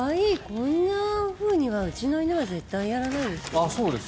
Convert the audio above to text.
こんなふうにはうちの犬は絶対にやらない。